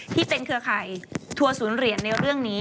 เครือข่ายทัวร์ศูนย์เหรียญในเรื่องนี้